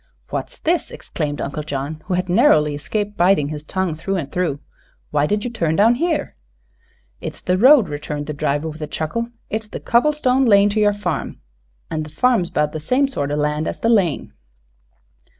"What's this?" exclaimed Uncle John, who had narrowly escaped biting his tongue through and through. "Why did you turn down here?" "It's the road," returned the driver, with a chuckle; "it's the cobble stone lane to yer farm, an' the farm's 'bout the same sort o' land as the lane."